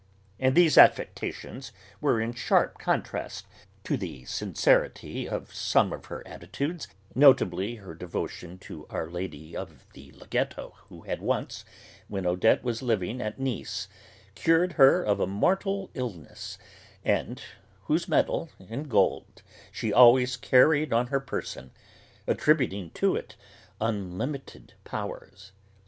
And these affectations were in sharp contrast to the sincerity of some of her attitudes, notably her devotion to Our Lady of the Laghetto who had once, when Odette was living at Nice, cured her of a mortal illness, and whose medal, in gold, she always carried on her person, attributing to it unlimited powers.